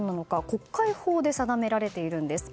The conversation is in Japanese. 国会法で定められているんです。